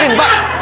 pelan pelan pak